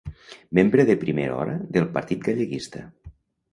Membre de primera hora del Partit Galleguista.